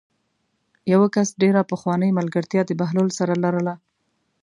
یوه کس ډېره پخوانۍ ملګرتیا د بهلول سره لرله.